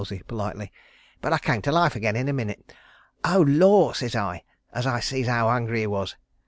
_] "I did," said Beelzy, politely, "but I came to life again in a minute. 'Oh Lor!' says I, as I see how hungry he was.